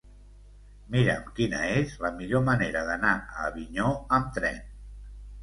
Mira'm quina és la millor manera d'anar a Avinyó amb tren.